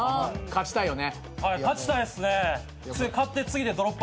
勝ちたいっすね。